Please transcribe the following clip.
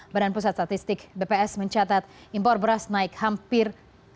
badan pusat statistik bps mencatat impor beras naik hampir